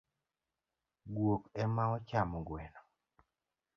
Guok emaochamo gweno.